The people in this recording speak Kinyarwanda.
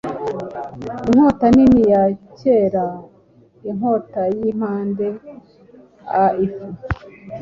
Inkota nini ya kera-inkotayimpande a-ifu